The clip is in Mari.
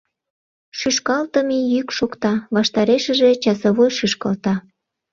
Шӱшкалтыме йӱк шокта, ваштарешыже часовой шӱшкалта.